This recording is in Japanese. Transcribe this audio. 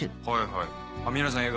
はい。